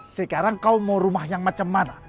sekarang kau mau rumah yang macam mana